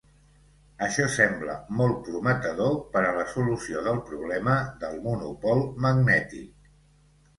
Això sembla molt prometedor per a la solució del problema del monopol magnètic.